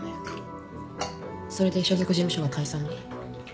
それで所属事務所は解散に。